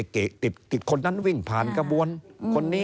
ติดคนนั้นวิ่งผ่านกระบวนคนนี้